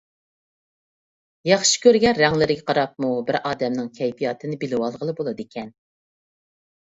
ياخشى كۆرگەن رەڭلىرىگە قاراپمۇ بىر ئادەمنىڭ كەيپىياتىنى بىلىۋالغىلى بولىدىكەن.